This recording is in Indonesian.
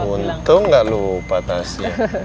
untung gak lupa tasnya